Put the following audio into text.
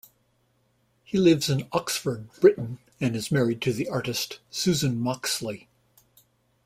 He lives in Oxford, Britain and is married to the artist Susan Moxley.